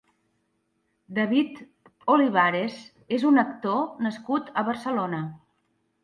David Olivares és un actor nascut a Barcelona.